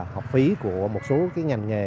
học phí của một số ngành nghề